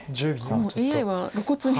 もうＡＩは露骨に。